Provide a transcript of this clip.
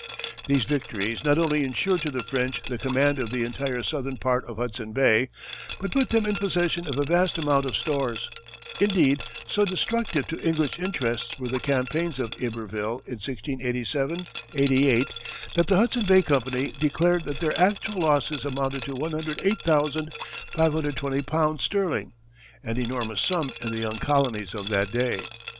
These victories not only insured to the French the command of the entire southern part of Hudson Bay, but put them in possession of a vast amount of stores. Indeed, so destructive to English interests were the campaigns of Iberville in 1687 88, that the Hudson Bay Company declared that their actual losses amounted to 108,520 pounds sterling, an enormous sum in the young colonies of that day.